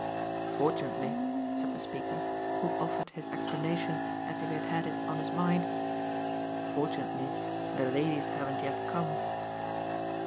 "Fortunately," said the speaker, who offered his explanation as if he had had it on his mind "fortunately the ladies haven't yet come."